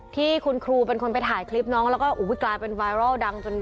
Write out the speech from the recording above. ที่คุณครูถ่ายคลิปแล้วฟิกราดเป็นไวรอลดัง